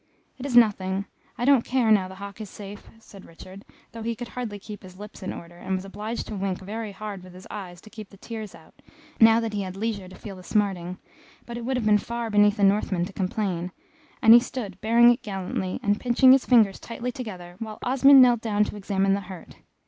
"It is nothing. I don't care now the hawk is safe," said Richard, though he could hardly keep his lips in order, and was obliged to wink very hard with his eyes to keep the tears out, now that he had leisure to feel the smarting; but it would have been far beneath a Northman to complain, and he stood bearing it gallantly, and pinching his fingers tightly together, while Osmond knelt down to examine the hurt.